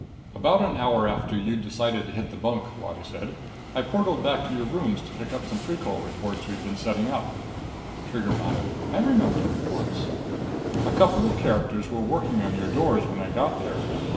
8 "About an hour after you'd decided to hit the bunk," Holati said, "I portaled back to your rooms to pick up some Precol reports we'd been setting up." Trigger nodded. "I remember the reports." "A couple of characters were working on your doors when I got there.